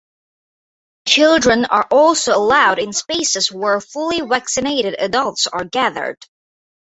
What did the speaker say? Children are also allowed in spaces where fully vaccinated adults are gathered.